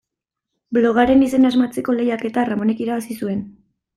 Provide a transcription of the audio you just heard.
Blogaren izena asmatzeko lehiaketa Ramonek irabazi zuen.